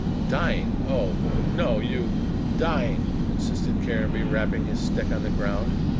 "Dying oh, no, you " "Dying," insisted Caranby, rapping his stick on the ground.